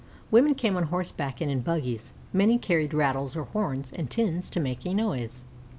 Women came on horseback and in buggies; many carried rattles or horns and tins to make a noise.